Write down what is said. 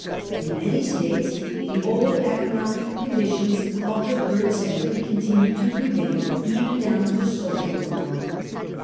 In many states the old economiG conditioiis of the third century continued to prevail even down to the Social War.